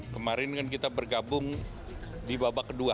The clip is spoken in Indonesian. kemarin kan kita bergabung di babak kedua